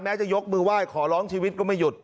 จะยกมือไหว้ขอร้องชีวิตก็ไม่หยุด